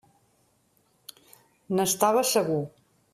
N'estava segur.